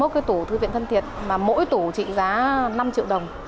hai mươi cái tủ thư viện thân thiện mà mỗi tủ trị giá năm triệu đồng